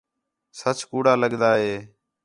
سَچ کَوڑا لڳدا ہِے